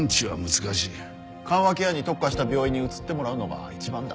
緩和ケアに特化した病院に移ってもらうのが一番だ。